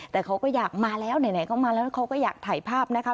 แต่เขาก็อยากมาแล้วไหนเขามาแล้วเขาก็อยากถ่ายภาพนะคะ